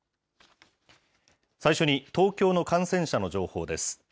最初に東京の感染者の情報です。